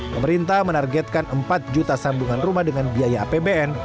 pemerintah menargetkan empat juta sambungan rumah dengan biaya apbn